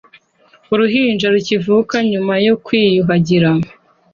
Uruhinja rukivuka nyuma yo kwiyuhagira